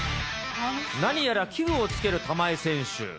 何やら器具を付ける玉井選手。